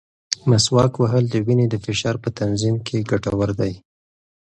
مسواک وهل د وینې د فشار په تنظیم کې ګټور دی.